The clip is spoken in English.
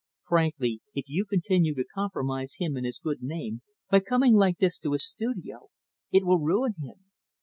Frankly, if you continue to compromise him and his good name by coming like this to his studio, it will ruin him.